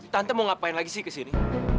tante mau ngapain lagi sih ke sini